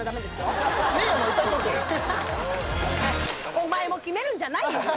お前もキメるんじゃないよ